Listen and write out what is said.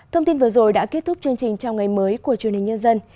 thông tin vừa rồi đã kết thúc chương trình chào ngày mới của truyền hình nhân dân